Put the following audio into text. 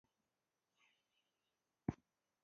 ځينو به د اوښانو پچې راټولولې.